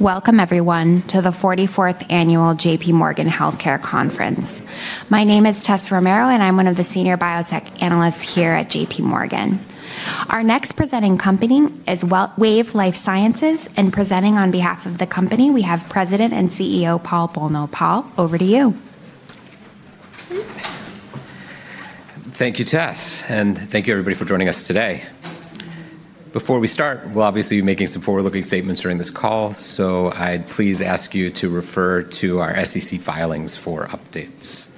Welcome, everyone, to the 44th Annual J.P. Morgan Healthcare Conference. My name is Tess Romero, and I'm one of the Senior Biotech Analysts here at J.P. Morgan. Our next presenting company is Wave Life Sciences, and presenting on behalf of the company, we have President and CEO Paul Bolno. Paul, over to you. Thank you, Tess, and thank you, everybody, for joining us today. Before we start, we'll obviously be making some forward-looking statements during this call, so I'd please ask you to refer to our SEC filings for updates.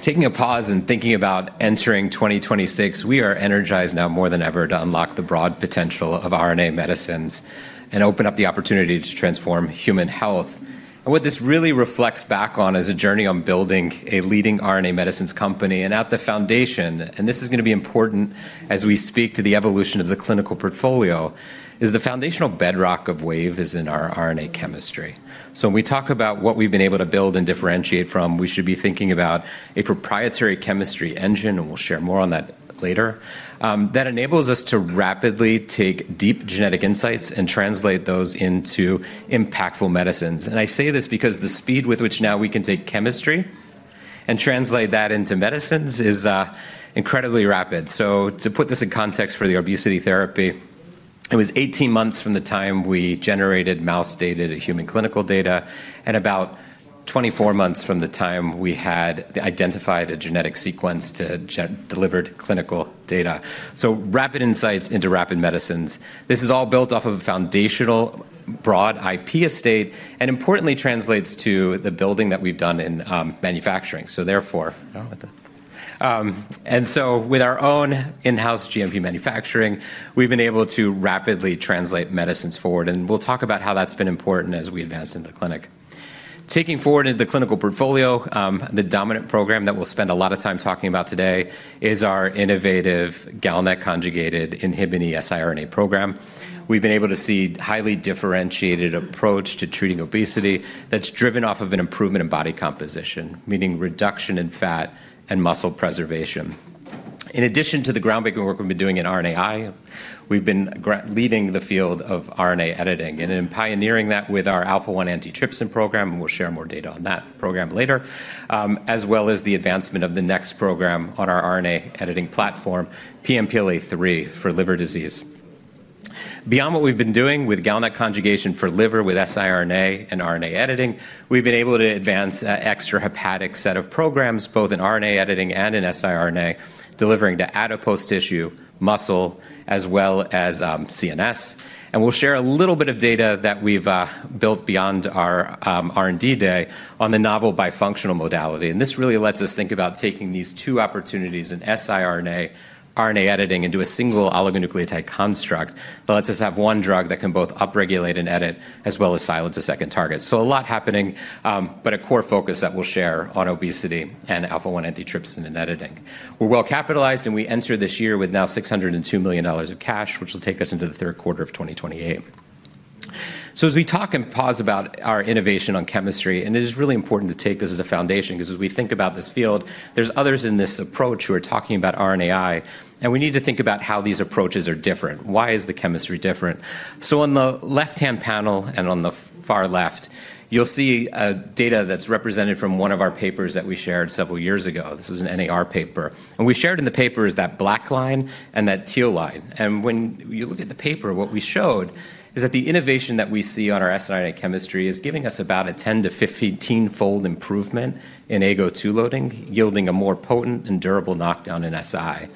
Taking a pause and thinking about entering 2026, we are energized now more than ever to unlock the broad potential of RNA medicines and open up the opportunity to transform human health. And what this really reflects back on is a journey on building a leading RNA medicines company. And at the foundation, and this is going to be important as we speak to the evolution of the clinical portfolio, is the foundational bedrock of Wave is in our RNA chemistry. So when we talk about what we've been able to build and differentiate from, we should be thinking about a proprietary chemistry engine, and we'll share more on that later, that enables us to rapidly take deep genetic insights and translate those into impactful medicines. And I say this because the speed with which now we can take chemistry and translate that into medicines is incredibly rapid. So to put this in context for the obesity therapy, it was 18 months from the time we generated mouse data to human clinical data and about 24 months from the time we had identified a genetic sequence to deliver clinical data. So rapid insights into rapid medicines. This is all built off of a foundational broad IP estate and, importantly, translates to the building that we've done in manufacturing. So therefore. Oh, with the. And so with our own in-house GMP manufacturing, we've been able to rapidly translate medicines forward, and we'll talk about how that's been important as we advance in the clinic. Taking forward into the clinical portfolio, the dominant program that we'll spend a lot of time talking about today is our innovative GalNAc-conjugated INHBE siRNA program. We've been able to see a highly differentiated approach to treating obesity that's driven off of an improvement in body composition, meaning reduction in fat and muscle preservation. In addition to the groundbreaking work we've been doing in RNAi, we've been leading the field of RNA editing and pioneering that with our Alpha-1 antitrypsin program, and we'll share more data on that program later, as well as the advancement of the next program on our RNA editing platform, PNPLA3 for liver disease. Beyond what we've been doing with GalNAc conjugation for liver with siRNA and RNA editing, we've been able to advance an extrahepatic set of programs, both in RNA editing and in siRNA, delivering to adipose tissue, muscle, as well as CNS. And we'll share a little bit of data that we've built beyond our R&D Day on the novel bifunctional modality. And this really lets us think about taking these two opportunities in siRNA RNA editing into a single oligonucleotide construct that lets us have one drug that can both upregulate and edit, as well as silence a second target. So a lot happening, but a core focus that we'll share on obesity and Alpha-1 antitrypsin and editing. We're well capitalized, and we entered this year with now $602 million of cash, which will take us into the third quarter of 2028. So as we talk about our innovation on chemistry, and it is really important to take this as a foundation because as we think about this field, there's others in this approach who are talking about RNAi, and we need to think about how these approaches are different. Why is the chemistry different? So on the left-hand panel and on the far left, you'll see data that's represented from one of our papers that we shared several years ago. This was an NAR paper. And what we shared in the paper is that black line and that teal line. And when you look at the paper, what we showed is that the innovation that we see on our siRNA chemistry is giving us about a 10- to 15-fold improvement in AGO2 loading, yielding a more potent and durable knockdown in siRNA.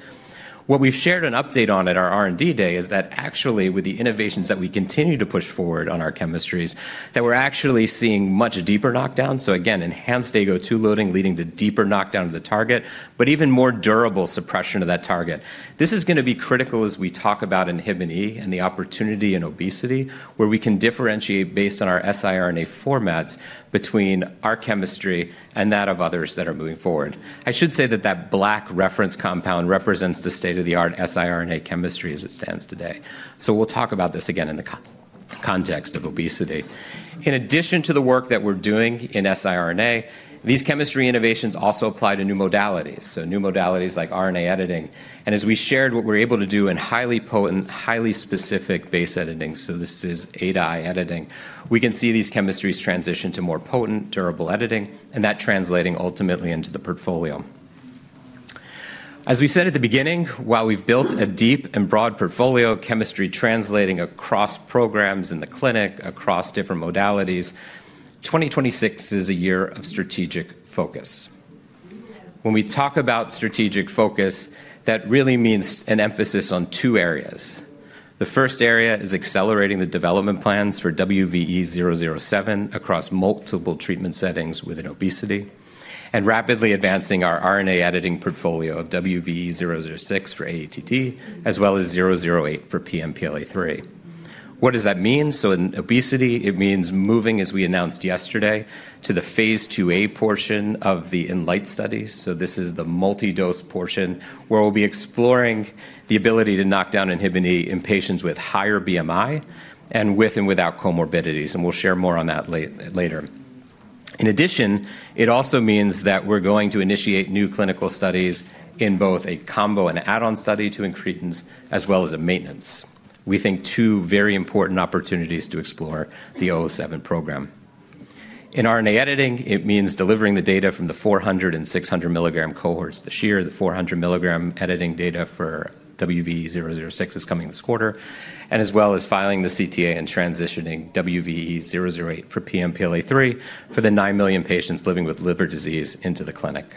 What we've shared an update on at our R&D Day is that actually, with the innovations that we continue to push forward on our chemistries, that we're actually seeing much deeper knockdown. So again, enhanced AGO2 loading leading to deeper knockdown of the target, but even more durable suppression of that target. This is going to be critical as we talk about INHBE and the opportunity in obesity, where we can differentiate based on our siRNA formats between our chemistry and that of others that are moving forward. I should say that that black reference compound represents the state-of-the-art siRNA chemistry as it stands today. So we'll talk about this again in the context of obesity. In addition to the work that we're doing in siRNA, these chemistry innovations also apply to new modalities, so new modalities like RNA editing. And as we shared what we're able to do in highly potent, highly specific base editing, so this is A-to-I editing, we can see these chemistries transition to more potent, durable editing, and that translating ultimately into the portfolio. As we said at the beginning, while we've built a deep and broad portfolio of chemistry translating across programs in the clinic, across different modalities, 2026 is a year of strategic focus. When we talk about strategic focus, that really means an emphasis on two areas. The first area is accelerating the development plans for WVE-007 across multiple treatment settings within obesity and rapidly advancing our RNA editing portfolio of WVE-006 for AATD, as well as WVE-008 for PNPLA3. What does that mean? So in obesity, it means moving, as we announced yesterday, to the Phase 2a portion of the INLIGHT study. This is the multi-dose portion where we'll be exploring the ability to knock down INHBE in patients with higher BMI and with and without comorbidities, and we'll share more on that later. In addition, it also means that we're going to initiate new clinical studies in both a combo and add-on study to increase, as well as a maintenance. We think two very important opportunities to explore the 007 program. In RNA editing, it means delivering the data from the 400- and 600-milligram cohorts this year. The 400-milligram editing data for WVE-006 is coming this quarter, as well as filing the CTA and transitio ning WVE-008 for PNPLA3 for the nine million patients living with liver disease into the clinic.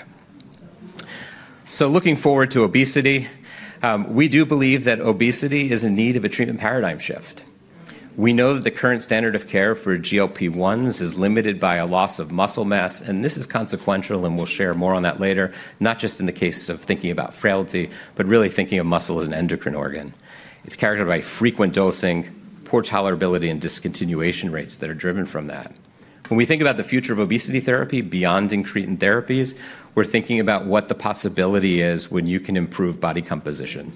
Looking forward to obesity, we do believe that obesity is in need of a treatment paradigm shift. We know that the current standard of care for GLP-1s is limited by a loss of muscle mass, and this is consequential, and we'll share more on that later, not just in the case of thinking about frailty, but really thinking of muscle as an endocrine organ. It's characterized by frequent dosing, poor tolerability, and discontinuation rates that are driven from that. When we think about the future of obesity therapy beyond incretin therapies, we're thinking about what the possibility is when you can improve body composition.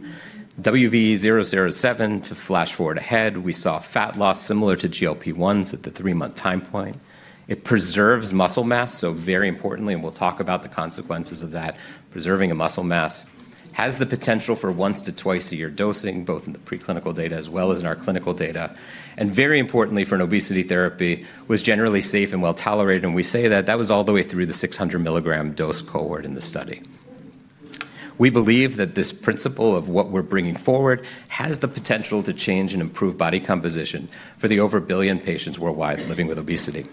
WVE-007, to flash forward ahead, we saw fat loss similar to GLP-1s at the three-month time point. It preserves muscle mass, so very importantly, and we'll talk about the consequences of that. Preserving a muscle mass has the potential for once to twice-a-year dosing, both in the preclinical data as well as in our clinical data. Very importantly, for an obesity therapy, was generally safe and well tolerated, and we say that that was all the way through the 600-milligram dose cohort in the study. We believe that this principle of what we're bringing forward has the potential to change and improve body composition for the over one billion patients worldwide living with obesity.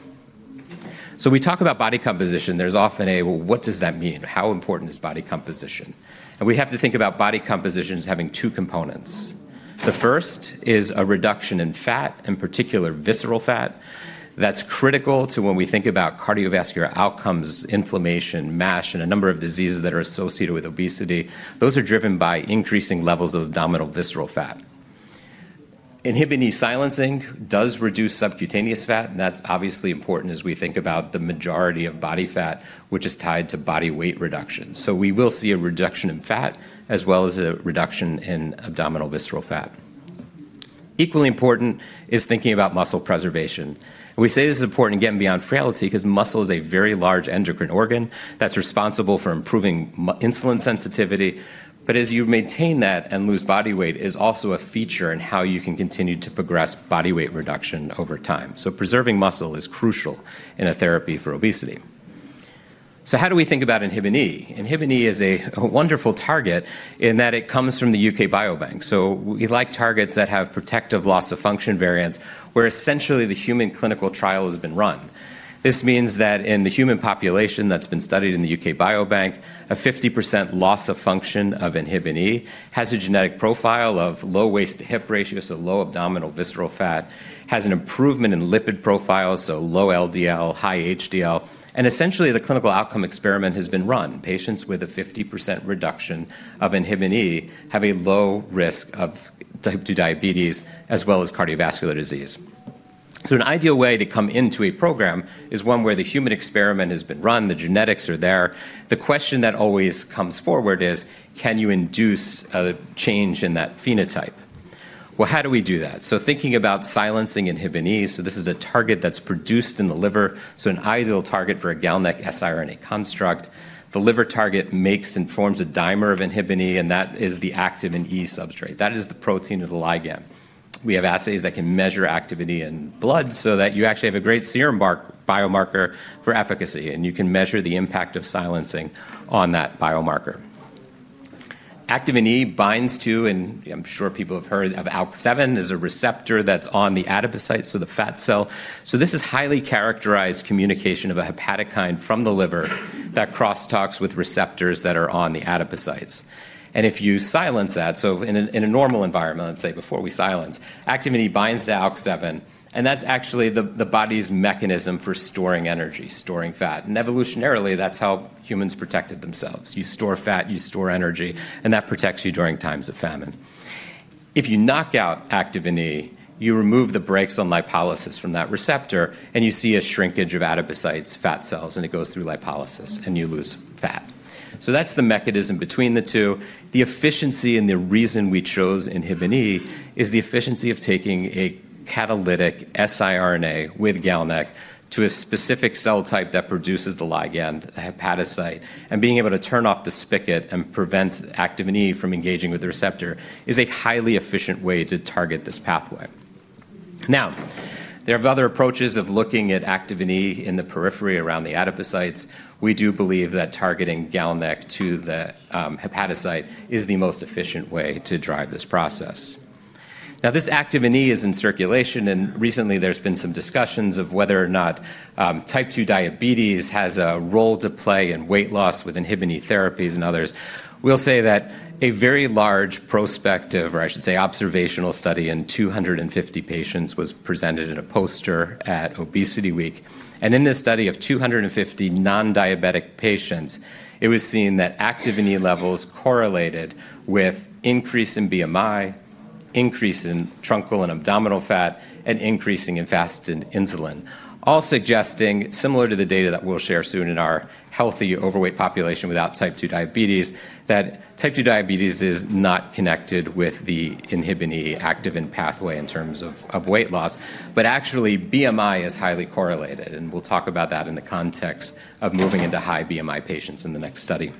When we talk about body composition, there's often a, well, what does that mean? How important is body composition? We have to think about body composition as having two components. The first is a reduction in fat, in particular visceral fat, that's critical to when we think about cardiovascular outcomes, inflammation, MASH, and a number of diseases that are associated with obesity. Those are driven by increasing levels of abdominal visceral fat. INHBE silencing does reduce subcutaneous fat, and that's obviously important as we think about the majority of body fat, which is tied to body weight reduction. So we will see a reduction in fat as well as a reduction in abdominal visceral fat. Equally important is thinking about muscle preservation. We say this is important again beyond frailty because muscle is a very large endocrine organ that's responsible for improving insulin sensitivity. But as you maintain that and lose body weight, it is also a feature in how you can continue to progress body weight reduction over time. So preserving muscle is crucial in a therapy for obesity. So how do we think about INHBE? INHBE is a wonderful target in that it comes from the UK Biobank. So we like targets that have protective loss of function variants where essentially the human clinical trial has been run. This means that in the human population that's been studied in the UK Biobank, a 50% loss of function of INHBE has a genetic profile of low waist to hip ratio, so low abdominal visceral fat, has an improvement in lipid profiles, so low LDL, high HDL, and essentially the clinical outcome experiment has been run. Patients with a 50% reduction of INHBE have a low risk of type 2 diabetes as well as cardiovascular disease. So an ideal way to come into a program is one where the human experiment has been run, the genetics are there. The question that always comes forward is, can you induce a change in that phenotype? Well, how do we do that? So thinking about silencing INHBE, so this is a target that's produced in the liver, so an ideal target for a GalNAc siRNA construct. The liver target makes and forms a dimer of inhibin E, and that is the Activin E substrate. That is the protein of the ligand. We have assays that can measure activity in blood so that you actually have a great serum biomarker for efficacy, and you can measure the impact of silencing on that biomarker. Activin E binds to, and I'm sure people have heard of ALK7, is a receptor that's on the adipocytes, so the fat cell. So this is highly characterized communication of a hepatokine from the liver that cross-talks with receptors that are on the adipocytes. And if you silence that, so in a normal environment, let's say before we silence, Activin E binds to ALK7, and that's actually the body's mechanism for storing energy, storing fat. And evolutionarily, that's how humans protected themselves. You store fat, you store energy, and that protects you during times of famine. If you knock out Activin E, you remove the brakes on lipolysis from that receptor, and you see a shrinkage of adipocytes, fat cells, and it goes through lipolysis, and you lose fat. So that's the mechanism between the two. The efficiency and the reason we chose INHBE is the efficiency of taking a catalytic siRNA with GalNAc to a specific cell type that produces the ligand, the hepatocyte, and being able to turn off the spigot and prevent Activin E from engaging with the receptor is a highly efficient way to target this pathway. Now, there are other approaches of looking at Activin E in the periphery around the adipocytes. We do believe that targeting GalNAc to the hepatocyte is the most efficient way to drive this process. Now, this Activin E is in circulation, and recently there's been some discussions of whether or not type 2 diabetes has a role to play in weight loss with INHBE therapies and others. We'll say that a very large prospective, or I should say observational study in 250 patients was presented in a poster at Obesity Week. And in this study of 250 non-diabetic patients, it was seen that Activin E levels correlated with increase in BMI, increase in truncal and abdominal fat, and increasing in fasting insulin, all suggesting, similar to the data that we'll share soon in our healthy overweight population without type 2 diabetes, that type 2 diabetes is not connected with the INHBE Activin pathway in terms of weight loss, but actually BMI is highly correlated. And we'll talk about that in the context of moving into high BMI patients in the next study.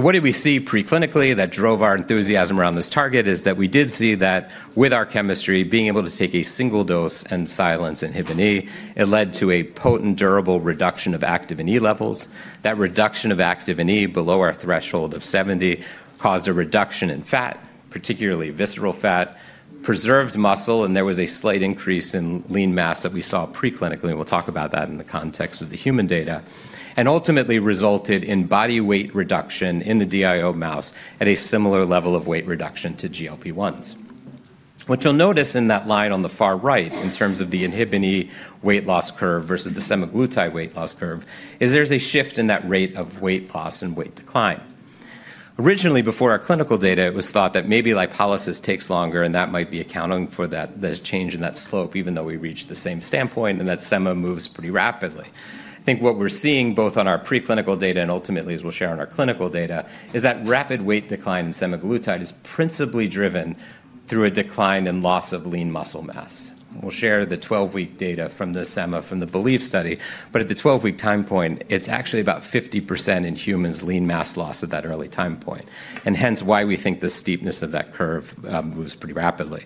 What did we see preclinically that drove our enthusiasm around this target? It is that we did see that with our chemistry, being able to take a single dose and silence INHBE, it led to a potent, durable reduction of Activin E levels. That reduction of Activin E below our threshold of 70 caused a reduction in fat, particularly visceral fat, preserved muscle, and there was a slight increase in lean mass that we saw preclinically. We'll talk about that in the context of the human data, and ultimately resulted in body weight reduction in the DIO mouse at a similar level of weight reduction to GLP-1s. What you'll notice in that line on the far right, in terms of the INHBE weight loss curve versus the Semaglutide weight loss curve, is there's a shift in that rate of weight loss and weight decline. Originally, before our clinical data, it was thought that maybe lipolysis takes longer, and that might be accounting for that change in that slope, even though we reached the same standpoint, and that SEMA moves pretty rapidly. I think what we're seeing, both on our preclinical data and ultimately, as we'll share on our clinical data, is that rapid weight decline in Semaglutide is principally driven through a decline in loss of lean muscle mass. We'll share the 12-week data from the SEMA from the BELIEF study, but at the 12-week time point, it's actually about 50% in humans' lean mass loss at that early time point, and hence why we think the steepness of that curve moves pretty rapidly.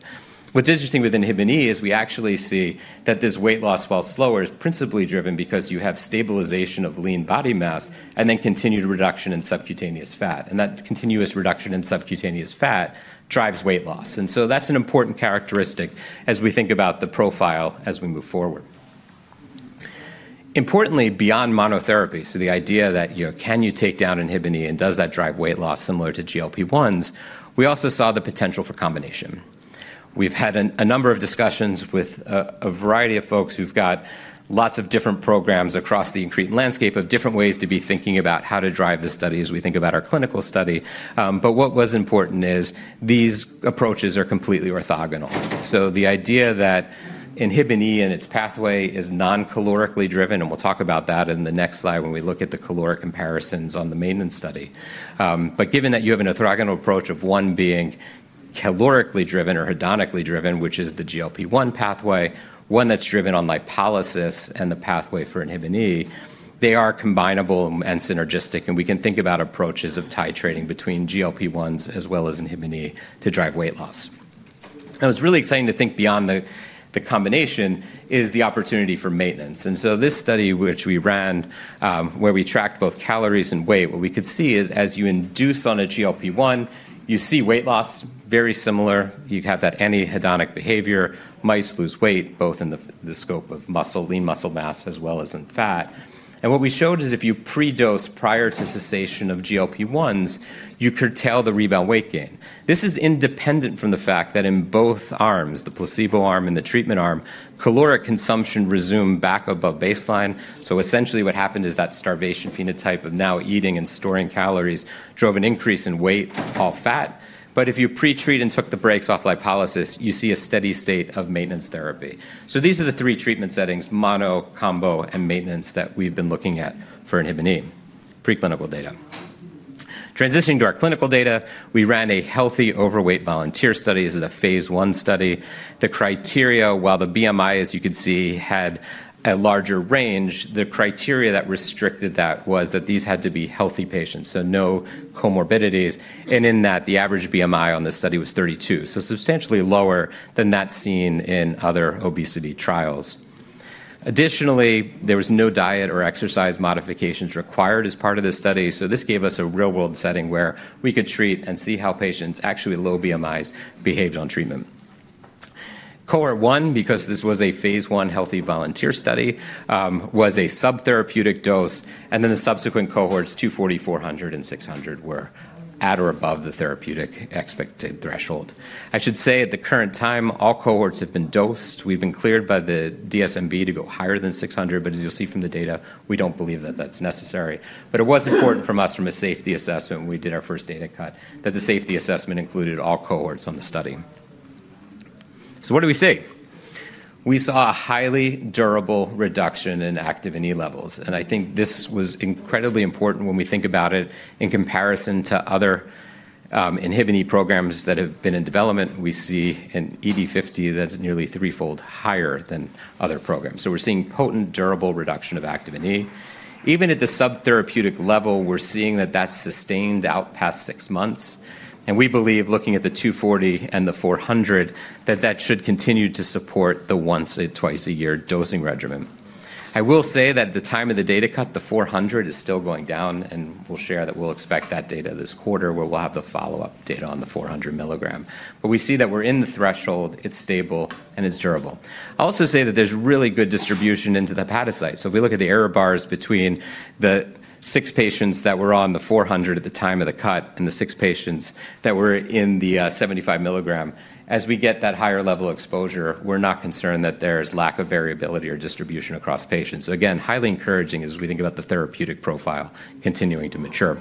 What's interesting with INHBE is we actually see that this weight loss, while slower, is principally driven because you have stabilization of lean body mass and then continued reduction in subcutaneous fat, and that continuous reduction in subcutaneous fat drives weight loss, and so that's an important characteristic as we think about the profile as we move forward. Importantly, beyond monotherapy, so the idea that, you know, can you take down INHBE and does that drive weight loss similar to GLP-1s, we also saw the potential for combination. We've had a number of discussions with a variety of folks who've got lots of different programs across the incretin landscape of different ways to be thinking about how to drive this study as we think about our clinical study, but what was important is these approaches are completely orthogonal. The idea that INHBE and its pathway is non-calorically driven, and we'll talk about that in the next slide when we look at the caloric comparisons on the maintenance study. But given that you have an orthogonal approach of one being calorically driven or hedonically driven, which is the GLP-1 pathway, one that's driven on lipolysis and the pathway for INHBE, they are combinable and synergistic, and we can think about approaches of titrating between GLP-1s as well as INHBE to drive weight loss. Now, what's really exciting to think beyond the combination is the opportunity for maintenance. And so this study, which we ran, where we tracked both calories and weight, what we could see is as you induce on a GLP-1, you see weight loss very similar. You have that antihedonic behavior. Mice lose weight, both in the scope of lean muscle mass as well as in fat, and what we showed is if you predose prior to cessation of GLP-1s, you could curtail the rebound weight gain. This is independent from the fact that in both arms, the placebo arm and the treatment arm, caloric consumption resumed back above baseline, so essentially what happened is that starvation phenotype, now eating and storing calories, drove an increase in weight, all fat, but if you pretreat and took the brakes off lipolysis, you see a steady state of maintenance therapy, so these are the three treatment settings: mono, combo, and maintenance that we've been looking at for INHBE preclinical data. Transitioning to our clinical data, we ran a healthy overweight volunteer study. This is a Phase I study. The criteria, while the BMI, as you could see, had a larger range, the criteria that restricted that was that these had to be healthy patients, so no comorbidities, and in that, the average BMI on this study was 32, so substantially lower than that seen in other obesity trials. Additionally, there was no diet or exercise modifications required as part of this study, so this gave us a real-world setting where we could treat and see how patients actually low BMIs behaved on treatment. Cohort one, because this was a Phase I healthy volunteer study, was a subtherapeutic dose, and then the subsequent cohorts, 240, 400, and 600, were at or above the therapeutic expected threshold. I should say at the current time, all cohorts have been dosed. We've been cleared by the DSMB to go higher than 600, but as you'll see from the data, we don't believe that that's necessary, but it was important for us from a safety assessment when we did our first data cut that the safety assessment included all cohorts on the study, so what do we see? We saw a highly durable reduction in Activin E levels, and I think this was incredibly important when we think about it in comparison to other inhibin E programs that have been in development. We see in ED50 that's nearly threefold higher than other programs. So we're seeing potent, durable reduction of Activin E. Even at the subtherapeutic level, we're seeing that that's sustained out past six months, and we believe, looking at the 240 and the 400, that that should continue to support the once or twice-a-year dosing regimen. I will say that at the time of the data cut, the 400 is still going down, and we'll share that we'll expect that data this quarter where we'll have the follow-up data on the 400 milligram. But we see that we're in the threshold, it's stable, and it's durable. I'll also say that there's really good distribution into the hepatocytes. So if we look at the error bars between the six patients that were on the 400 at the time of the cut and the six patients that were in the 75 milligram, as we get that higher level of exposure, we're not concerned that there is lack of variability or distribution across patients. So again, highly encouraging as we think about the therapeutic profile continuing to mature.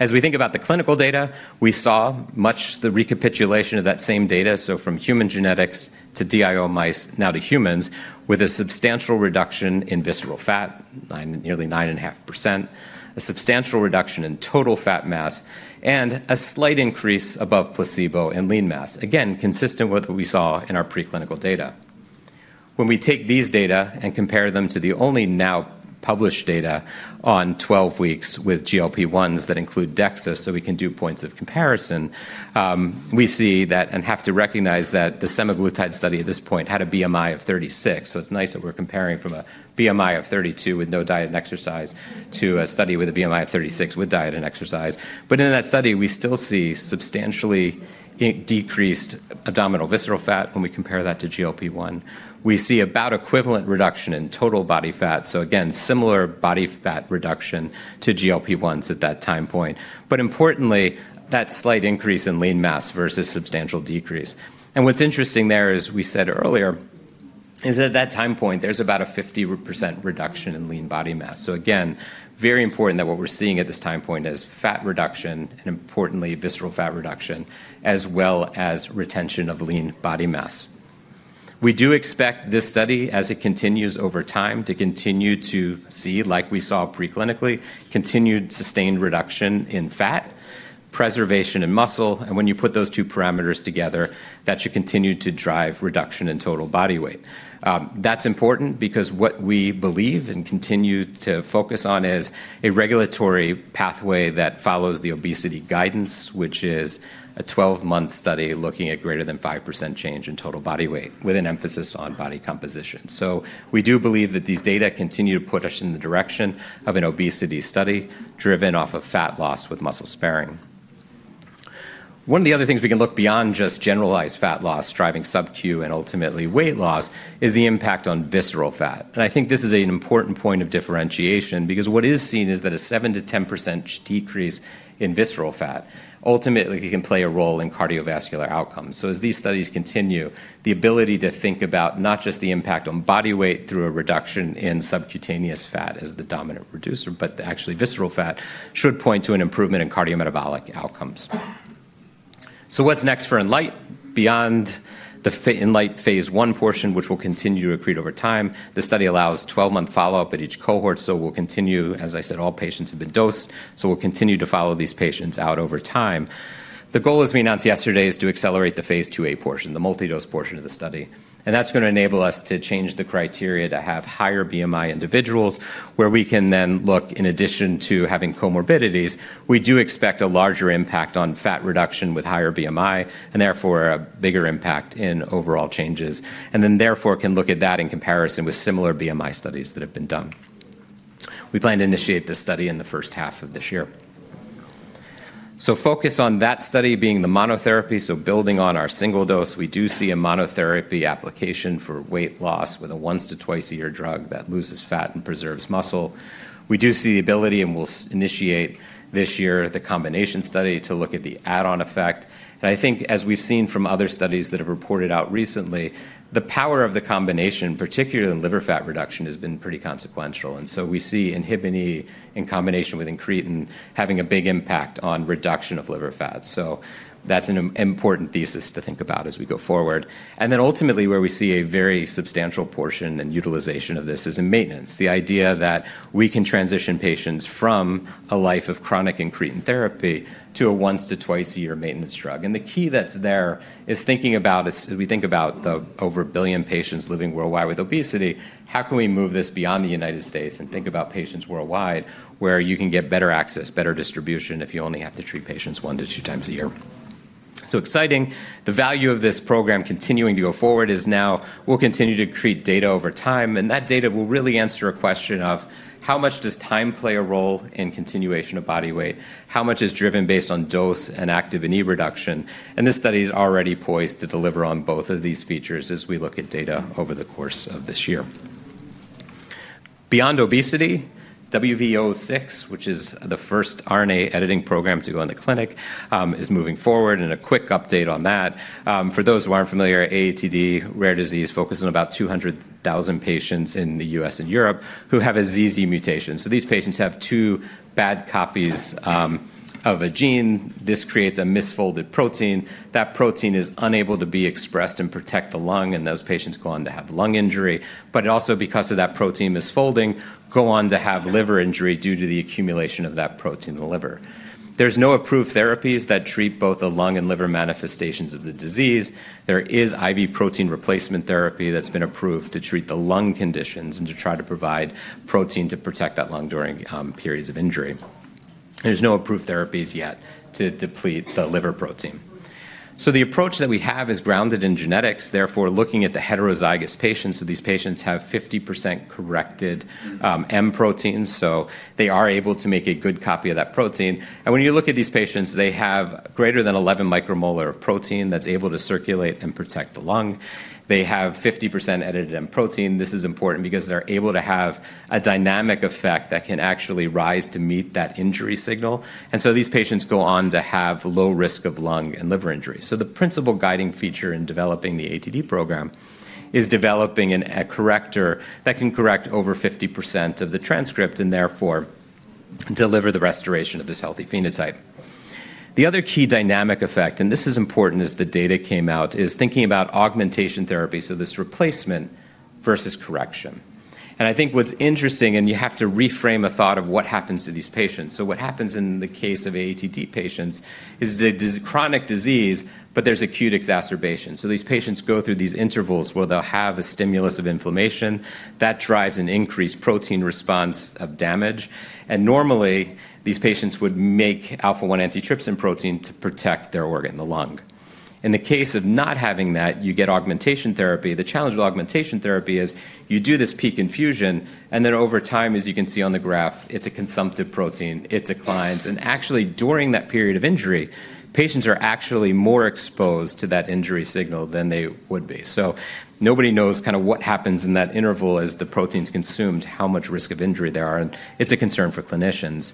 As we think about the clinical data, we saw much the recapitulation of that same data, so from human genetics to DIO mice, now to humans, with a substantial reduction in visceral fat, nearly 9.5%, a substantial reduction in total fat mass, and a slight increase above placebo in lean mass, again, consistent with what we saw in our preclinical data. When we take these data and compare them to the only now published data on 12 weeks with GLP-1s that include DEXA, so we can do points of comparison, we see that, and have to recognize that the semaglutide study at this point had a BMI of 36, so it's nice that we're comparing from a BMI of 32 with no diet and exercise to a study with a BMI of 36 with diet and exercise. But in that study, we still see substantially decreased abdominal visceral fat when we compare that to GLP-1. We see about equivalent reduction in total body fat, so again, similar body fat reduction to GLP-1s at that time point. But importantly, that slight increase in lean mass versus substantial decrease. And what's interesting there is we said earlier at that time point, there's about a 50% reduction in lean body mass. So again, very important that what we're seeing at this time point is fat reduction and importantly, visceral fat reduction, as well as retention of lean body mass. We do expect this study, as it continues over time, to continue to see, like we saw preclinically, continued sustained reduction in fat, preservation in muscle, and when you put those two parameters together, that should continue to drive reduction in total body weight. That's important because what we believe and continue to focus on is a regulatory pathway that follows the obesity guidance, which is a 12-month study looking at greater than 5% change in total body weight with an emphasis on body composition. So we do believe that these data continue to push in the direction of an obesity study driven off of fat loss with muscle sparing. One of the other things we can look beyond just generalized fat loss driving subQ and ultimately weight loss is the impact on visceral fat. And I think this is an important point of differentiation because what is seen is that a 7%-10% decrease in visceral fat ultimately can play a role in cardiovascular outcomes. So as these studies continue, the ability to think about not just the impact on body weight through a reduction in subcutaneous fat as the dominant reducer, but actually visceral fat should point to an improvement in cardiometabolic outcomes. So what's next for INLITE? Beyond the INLITE Phase I portion, which will continue to accrete over time, the study allows 12-month follow-up at each cohort, so we'll continue, as I said, all patients have been dosed, so we'll continue to follow these patients out over time. The goal as we announced yesterday is to accelerate the phase 2A portion, the multidose portion of the study. That's going to enable us to change the criteria to have higher BMI individuals, where we can then look, in addition to having comorbidities, we do expect a larger impact on fat reduction with higher BMI and therefore a bigger impact in overall changes, and then therefore can look at that in comparison with similar BMI studies that have been done. We plan to initiate this study in the first half of this year. Focus on that study being the monotherapy, so building on our single dose, we do see a monotherapy application for weight loss with a once to twice-a-year drug that loses fat and preserves muscle. We do see the ability, and we'll initiate this year the combination study to look at the add-on effect. And I think, as we've seen from other studies that have reported out recently, the power of the combination, particularly in liver fat reduction, has been pretty consequential. And so we see inhibin E in combination with incretin having a big impact on reduction of liver fat. So that's an important thesis to think about as we go forward. And then ultimately, where we see a very substantial portion and utilization of this is in maintenance, the idea that we can transition patients from a life of chronic incretin therapy to a once to twice-a-year maintenance drug. The key that's there is thinking about, as we think about the over a billion patients living worldwide with obesity, how can we move this beyond the United States and think about patients worldwide where you can get better access, better distribution if you only have to treat patients one to two times a year. So exciting. The value of this program continuing to go forward is now we'll continue to accrete data over time, and that data will really answer a question of how much does time play a role in continuation of body weight, how much is driven based on dose and Activin E reduction. This study is already poised to deliver on both of these features as we look at data over the course of this year. Beyond obesity, WVE-006, which is the first RNA editing program to go in the clinic, is moving forward. And a quick update on that, for those who aren't familiar, AATD, rare disease, focuses on about 200,000 patients in the US and Europe who have a ZZ mutation. So these patients have two bad copies of a gene. This creates a misfolded protein. That protein is unable to be expressed and protect the lung, and those patients go on to have lung injury. But also, because of that protein misfolding, go on to have liver injury due to the accumulation of that protein in the liver. There's no approved therapies that treat both the lung and liver manifestations of the disease. There is IV protein replacement therapy that's been approved to treat the lung conditions and to try to provide protein to protect that lung during periods of injury. There's no approved therapies yet to deplete the liver protein. The approach that we have is grounded in genetics, therefore looking at the heterozygous patients. These patients have 50% corrected M protein, so they are able to make a good copy of that protein. When you look at these patients, they have greater than 11 micromolar of protein that's able to circulate and protect the lung. They have 50% edited M protein. This is important because they're able to have a dynamic effect that can actually rise to meet that injury signal. These patients go on to have low risk of lung and liver injury. The principal guiding feature in developing the AATD program is developing a corrector that can correct over 50% of the transcript and therefore deliver the restoration of this healthy phenotype. The other key dynamic effect, and this is important as the data came out, is thinking about augmentation therapy, so this replacement versus correction. And I think what's interesting, and you have to reframe a thought of what happens to these patients. So what happens in the case of AATD patients is they have chronic disease, but there's acute exacerbation. So these patients go through these intervals where they'll have a stimulus of inflammation that drives an increased protein response of damage. And normally, these patients would make Alpha-1 antitrypsin protein to protect their organ, the lung. In the case of not having that, you get augmentation therapy. The challenge with augmentation therapy is you do this peak infusion, and then over time, as you can see on the graph, it's a consumptive protein, it declines. Actually, during that period of injury, patients are actually more exposed to that injury signal than they would be. Nobody knows kind of what happens in that interval as the protein's consumed, how much risk of injury there are, and it's a concern for clinicians.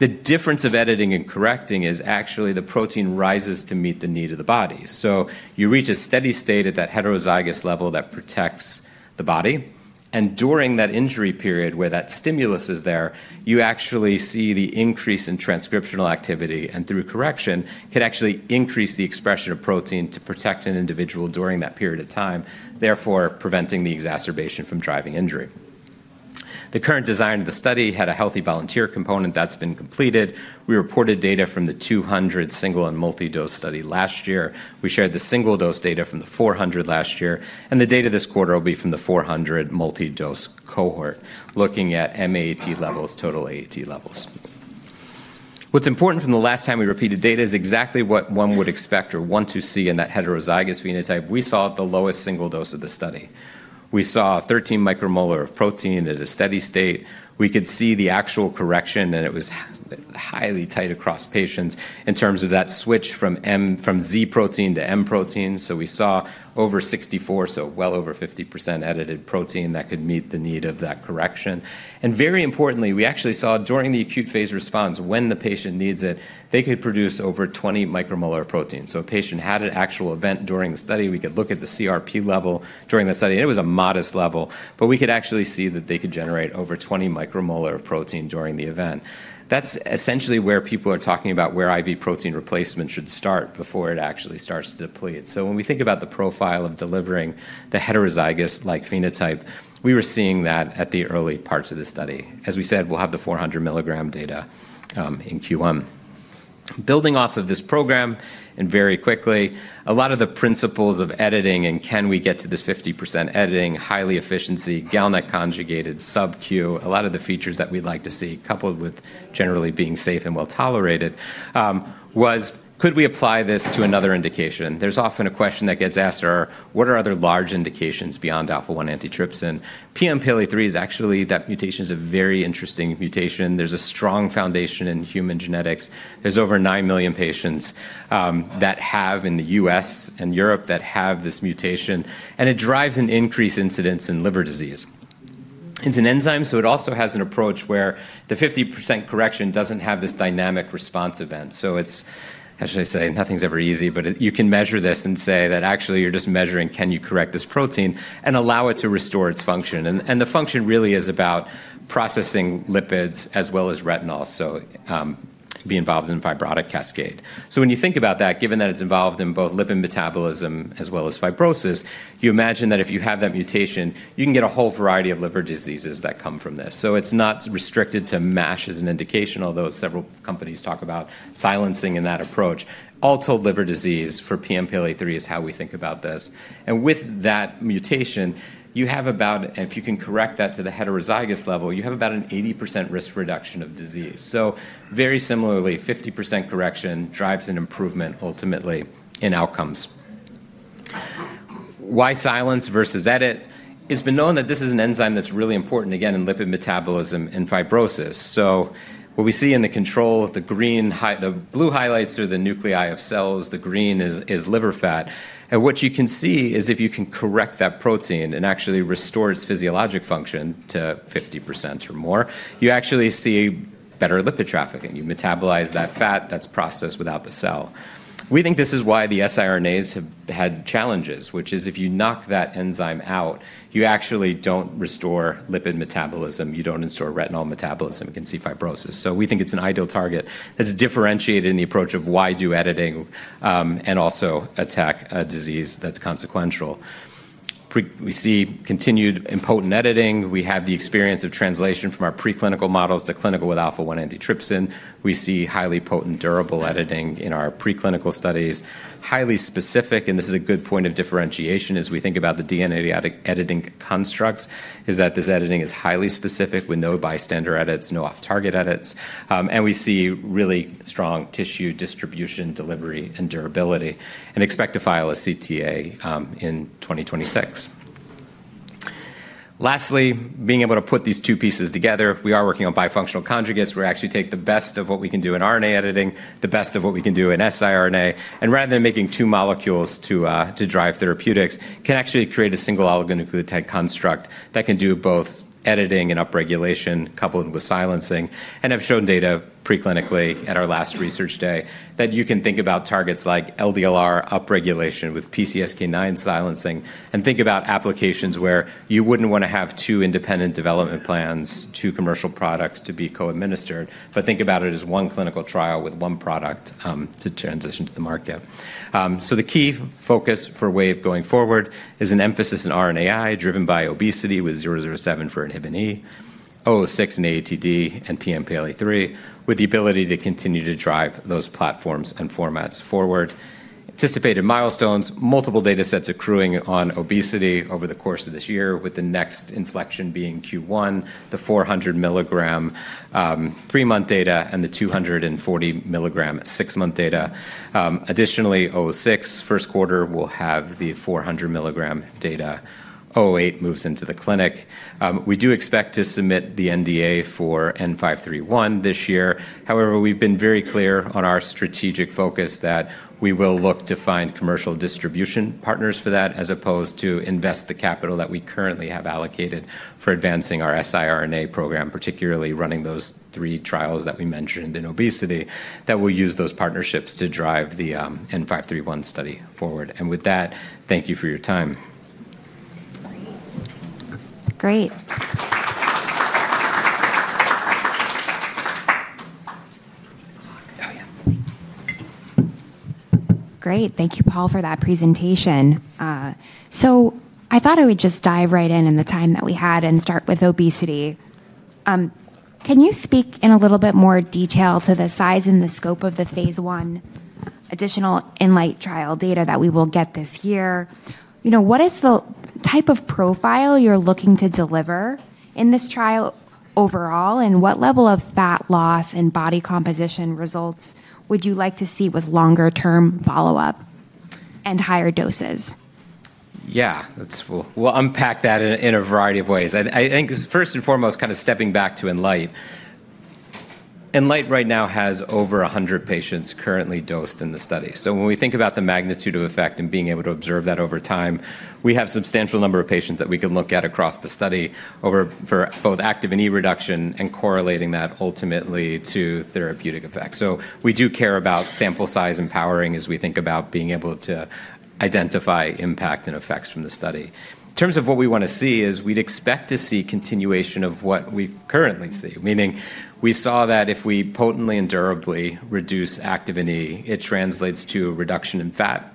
The difference of editing and correcting is actually the protein rises to meet the need of the body. You reach a steady state at that heterozygous level that protects the body. During that injury period where that stimulus is there, you actually see the increase in transcriptional activity and through correction can actually increase the expression of protein to protect an individual during that period of time, therefore preventing the exacerbation from driving injury. The current design of the study had a healthy volunteer component that's been completed. We reported data from the 200 single and multidose study last year. We shared the single dose data from the 400 last year, and the data this quarter will be from the 400 multidose cohort looking at M AAT levels, total AAT levels. What is important from the last time we reported data is exactly what one would expect or want to see in that heterozygous phenotype. We saw the lowest single dose of the study. We saw 13 micromolar of protein at a steady state. We could see the actual correction, and it was highly tight across patients in terms of that switch from Z protein to M protein, so we saw over 64, so well over 50% edited protein that could meet the need of that correction, and very importantly, we actually saw during the acute phase response, when the patient needs it, they could produce over 20 micromolar of protein, so a patient had an actual event during the study. We could look at the CRP level during the study, and it was a modest level, but we could actually see that they could generate over 20 micromolar of protein during the event. That's essentially where people are talking about where IV protein replacement should start before it actually starts to deplete. So when we think about the profile of delivering the heterozygous-like phenotype, we were seeing that at the early parts of the study. As we said, we'll have the 400 milligram data in Q1. Building off of this program, and very quickly, a lot of the principles of editing and can we get to this 50% editing, highly efficiency, GalNAc conjugated, subQ, a lot of the features that we'd like to see coupled with generally being safe and well tolerated was, could we apply this to another indication? There's often a question that gets asked, what are other large indications beyond alpha-1 antitrypsin? PNPLA3 is actually that mutation is a very interesting mutation. There's a strong foundation in human genetics. There's over 9 million patients that have in the U.S. and Europe that have this mutation, and it drives an increased incidence in liver disease. It's an enzyme, so it also has an approach where the 50% correction doesn't have this dynamic response event. So it's, how should I say, nothing's ever easy, but you can measure this and say that actually you're just measuring, can you correct this protein and allow it to restore its function? And the function really is about processing lipids as well as retinol, so be involved in fibrotic cascade. So when you think about that, given that it's involved in both lipid metabolism as well as fibrosis, you imagine that if you have that mutation, you can get a whole variety of liver diseases that come from this. So it's not restricted to MASH as an indication, although several companies talk about silencing in that approach. All told, liver disease for PNPLA3 is how we think about this. And with that mutation, you have about, and if you can correct that to the heterozygous level, you have about an 80% risk reduction of disease. So very similarly, 50% correction drives an improvement ultimately in outcomes. Why silence versus edit? It's been known that this is an enzyme that's really important, again, in lipid metabolism and fibrosis. So what we see in the control, the green high, the blue highlights are the nuclei of cells, the green is liver fat. And what you can see is if you can correct that protein and actually restore its physiologic function to 50% or more, you actually see better lipid traffic, and you metabolize that fat that's processed without the cell. We think this is why the siRNAs have had challenges, which is if you knock that enzyme out, you actually don't restore lipid metabolism, you don't restore retinol metabolism, you can see fibrosis. So we think it's an ideal target that's differentiated in the approach of why do editing and also attack a disease that's consequential. We see continued potent editing. We have the experience of translation from our preclinical models to clinical with alpha-1 antitrypsin. We see highly potent durable editing in our preclinical studies. Highly specific, and this is a good point of differentiation as we think about the DNA editing constructs, is that this editing is highly specific with no bystander edits, no off-target edits. We see really strong tissue distribution, delivery, and durability, and expect to file a CTA in 2026. Lastly, being able to put these two pieces together, we are working on bifunctional conjugates, where we actually take the best of what we can do in RNA editing, the best of what we can do in siRNA, and rather than making two molecules to drive therapeutics, can actually create a single oligonucleotide construct that can do both editing and upregulation coupled with silencing. I've shown data preclinically at our last research day that you can think about targets like LDLR upregulation with PCSK9 silencing and think about applications where you wouldn't want to have two independent development plans, two commercial products to be co-administered, but think about it as one clinical trial with one product to transition to the market. So the key focus for Wave going forward is an emphasis in RNAi driven by obesity with 007 for INHBE, 006 in AATD, and PNPLA3 with the ability to continue to drive those platforms and formats forward. Anticipated milestones, multiple data sets accruing on obesity over the course of this year, with the next inflection being Q1, the 400 milligram three-month data and the 240 milligram six-month data. Additionally, 006, first quarter, we'll have the 400 milligram data. 008 moves into the clinic. We do expect to submit the NDA for N531 this year. However, we've been very clear on our strategic focus that we will look to find commercial distribution partners for that as opposed to invest the capital that we currently have allocated for advancing our siRNA program, particularly running those three trials that we mentioned in obesity, that we'll use those partnerships to drive the N531 study forward, and with that, thank you for your time. Great. Great, thank you, Paul, for that presentation. So I thought I would just dive right in in the time that we had and start with obesity. Can you speak in a little bit more detail to the size and the scope of the Phase I additional INLIGHT trial data that we will get this year? What is the type of profile you're looking to deliver in this trial overall, and what level of fat loss and body composition results would you like to see with longer-term follow-up and higher doses? Yeah, we'll unpack that in a variety of ways. I think first and foremost, kind of stepping back to INHBE, INHBE right now has over 100 patients currently dosed in the study. So when we think about the magnitude of effect and being able to observe that over time, we have a substantial number of patients that we can look at across the study for both Activin E reduction and correlating that ultimately to therapeutic effects. So we do care about sample size and powering as we think about being able to identify impact and effects from the study. In terms of what we want to see is we'd expect to see continuation of what we currently see, meaning we saw that if we potently and durably reduce Activin E, it translates to a reduction in fat.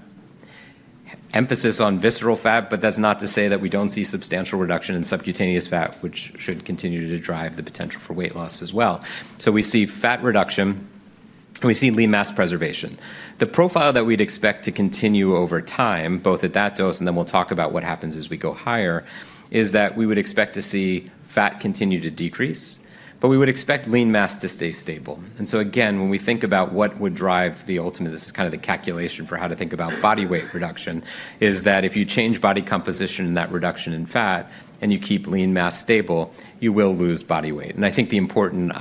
Emphasis on visceral fat, but that's not to say that we don't see substantial reduction in subcutaneous fat, which should continue to drive the potential for weight loss as well. So we see fat reduction, and we see lean mass preservation. The profile that we'd expect to continue over time, both at that dose, and then we'll talk about what happens as we go higher, is that we would expect to see fat continue to decrease, but we would expect lean mass to stay stable. And so again, when we think about what would drive the ultimate, this is kind of the calculation for how to think about body weight reduction, is that if you change body composition and that reduction in fat and you keep lean mass stable, you will lose body weight. I think the important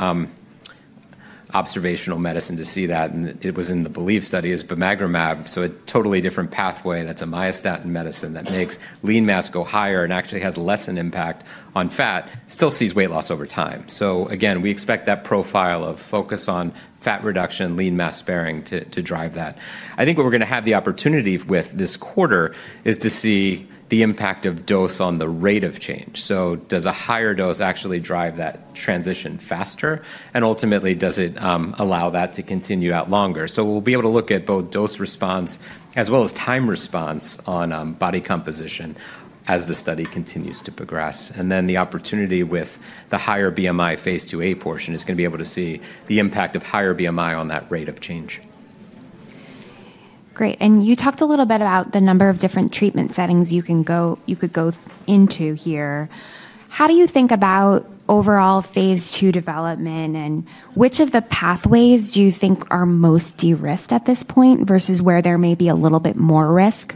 observational medicine to see that, and it was in the BELIEF study, is Bimagrumab, so a totally different pathway that's a myostatin medicine that makes lean mass go higher and actually has less an impact on fat, still sees weight loss over time. Again, we expect that profile of focus on fat reduction, lean mass sparing to drive that. I think what we're going to have the opportunity with this quarter is to see the impact of dose on the rate of change. Does a higher dose actually drive that transition faster? Ultimately, does it allow that to continue out longer? We'll be able to look at both dose response as well as time response on body composition as the study continues to progress. Then the opportunity with the higher BMI Phase II A portion is going to be able to see the impact of higher BMI on that rate of change. Great. And you talked a little bit about the number of different treatment settings you could go into here. How do you think about overall Phase II development, and which of the pathways do you think are most de-risked at this point versus where there may be a little bit more risk?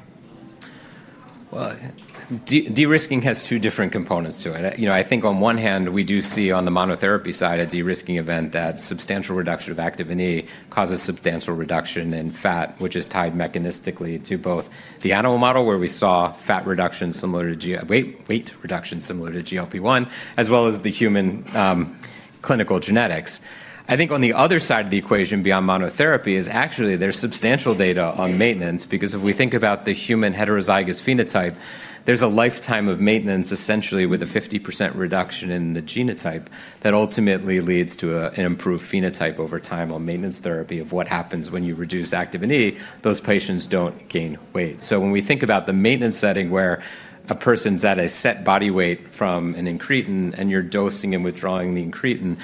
De-risking has two different components to it. I think on one hand, we do see on the monotherapy side a de-risking event that substantial reduction of Activin E causes substantial reduction in fat, which is tied mechanistically to both the animal model where we saw fat reduction similar to weight reduction similar to GLP-1, as well as the human clinical genetics. I think on the other side of the equation beyond monotherapy is actually there's substantial data on maintenance because if we think about the human heterozygous phenotype, there's a lifetime of maintenance essentially with a 50% reduction in the genotype that ultimately leads to an improved phenotype over time on maintenance therapy of what happens when you reduce Activin E, those patients don't gain weight. So when we think about the maintenance setting where a person's at a set body weight from an incretin and you're dosing and withdrawing the incretin,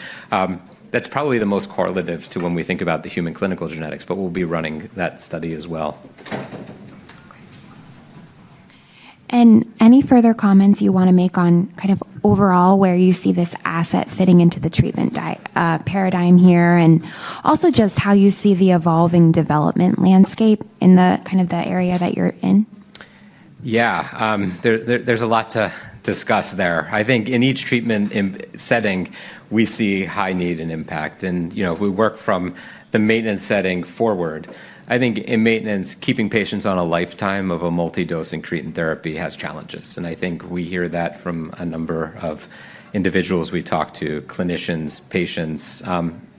that's probably the most correlative to when we think about the human clinical genetics, but we'll be running that study as well. Any further comments you want to make on kind of overall where you see this asset fitting into the treatment paradigm here and also just how you see the evolving development landscape in the kind of the area that you're in? Yeah, there's a lot to discuss there. I think in each treatment setting, we see high need and impact. And if we work from the maintenance setting forward, I think in maintenance, keeping patients on a lifetime of a multi-dose incretin therapy has challenges. And I think we hear that from a number of individuals we talk to, clinicians, patients,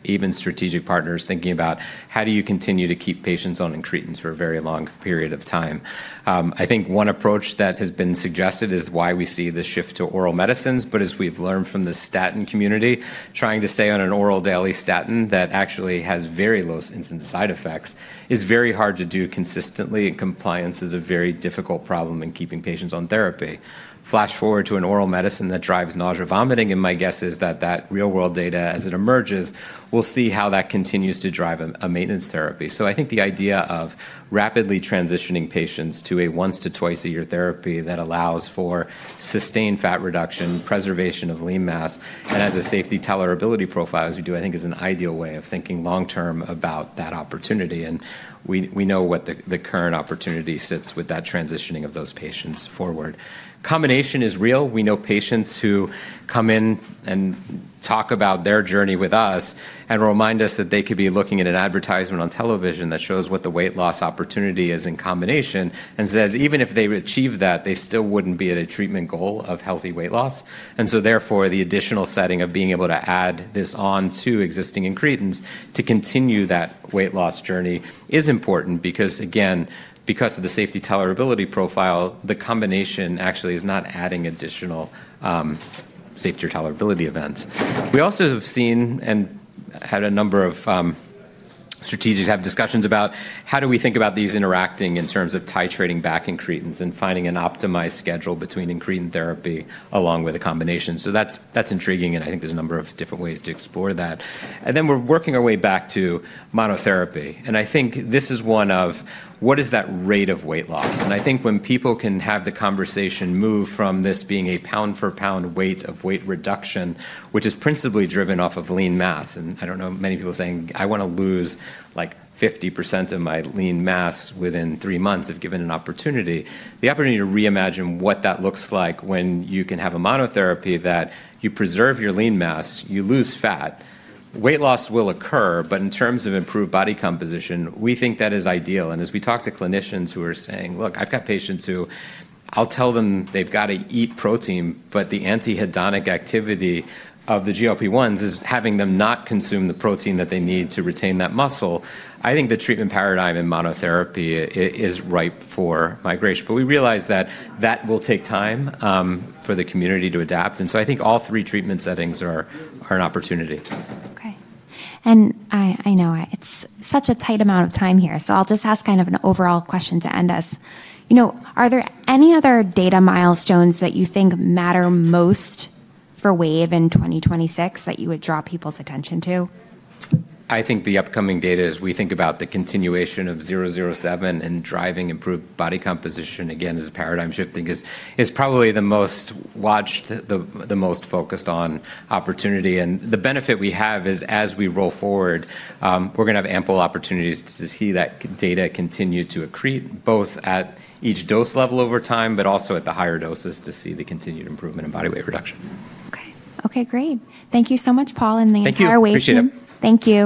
even strategic partners thinking about how do you continue to keep patients on incretins for a very long period of time. I think one approach that has been suggested is why we see the shift to oral medicines, but as we've learned from the statin community, trying to stay on an oral daily statin that actually has very low incidence of side effects is very hard to do consistently, and compliance is a very difficult problem in keeping patients on therapy. Flash forward to an oral medicine that drives nausea, vomiting, and my guess is that real-world data as it emerges, we'll see how that continues to drive a maintenance therapy. So I think the idea of rapidly transitioning patients to a once to twice a year therapy that allows for sustained fat reduction, preservation of lean mass, and has a safety tolerability profile as we do, I think is an ideal way of thinking long-term about that opportunity. And we know what the current opportunity sits with that transitioning of those patients forward. Combination is real. We know patients who come in and talk about their journey with us and remind us that they could be looking at an advertisement on television that shows what the weight loss opportunity is in combination and says even if they achieve that, they still wouldn't be at a treatment goal of healthy weight loss, and so therefore, the additional setting of being able to add this on to existing incretins to continue that weight loss journey is important because, again, because of the safety tolerability profile, the combination actually is not adding additional safety or tolerability events. We also have seen and had a number of strategic discussions about how do we think about these interacting in terms of titrating back incretins and finding an optimized schedule between incretin therapy along with a combination, so that's intriguing, and I think there's a number of different ways to explore that. And then we're working our way back to monotherapy. And I think this is one of what is that rate of weight loss. And I think when people can have the conversation move from this being a pound-for-pound weight of weight reduction, which is principally driven off of lean mass, and I don't know many people saying, "I want to lose like 50% of my lean mass within three months if given an opportunity," the opportunity to reimagine what that looks like when you can have a monotherapy that you preserve your lean mass, you lose fat, weight loss will occur, but in terms of improved body composition, we think that is ideal. As we talk to clinicians who are saying, "Look, I've got patients who I'll tell them they've got to eat protein, but the anhedonic activity of the GLP-1s is having them not consume the protein that they need to retain that muscle," I think the treatment paradigm in monotherapy is ripe for migration. But we realize that that will take time for the community to adapt. And so I think all three treatment settings are an opportunity. Okay, and I know it's such a tight amount of time here, so I'll just ask kind of an overall question to end us. Are there any other data milestones that you think matter most for Wave in 2026 that you would draw people's attention to? I think the upcoming data is we think about the continuation of 007 and driving improved body composition. Again, as a paradigm-shifting is probably the most watched, the most focused on opportunity, and the benefit we have is as we roll forward, we're going to have ample opportunities to see that data continue to accrete both at each dose level over time, but also at the higher doses to see the continued improvement in body weight reduction. Okay. Okay, great. Thank you so much, Paul, and the entire Wave team. Thank you. Thank you.